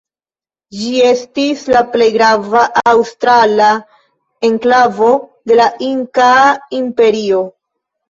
Ĝi estis la plej grava aŭstrala enklavo de la Inkaa imperio.